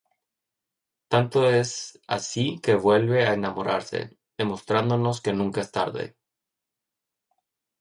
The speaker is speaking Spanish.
Tanto es así que vuelve a enamorarse...demostrándonos que nunca es tarde.